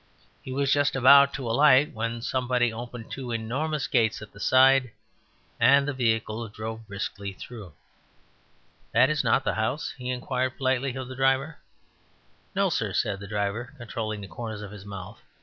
He was just about to alight when somebody opened two enormous gates at the side and the vehicle drove briskly through. "That is not the house?" he inquired politely of the driver. "No, sir," said the driver, controlling the corners of his mouth.